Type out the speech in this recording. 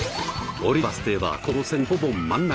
降りるバス停はこの路線のほぼ真ん中。